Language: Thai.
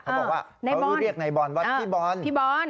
เขาบอกว่าเขาเรียกนายบอลว่าพี่บอลพี่บอล